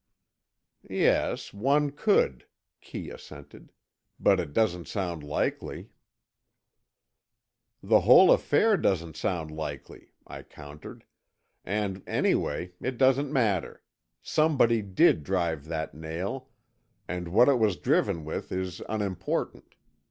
"Yes, one could," Kee assented, "but it doesn't sound likely——" "The whole affair doesn't sound likely," I countered, "and anyway, it doesn't matter. Somebody did drive that nail, and what it was driven with is unimportant.